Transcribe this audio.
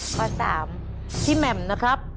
ข้อ๓พี่แหม่มนะครับ